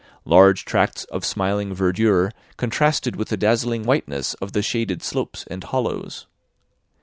Large tracts of smiling verdure contrasted with the dazzling whiteness of the shaded slopes and hollows.